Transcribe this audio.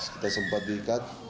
kita sempat diikat